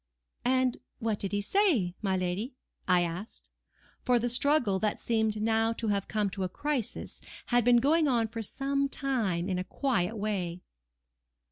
"And what did he say, my lady?" I asked; for the struggle that seemed now to have come to a crisis, had been going on for some time in a quiet way.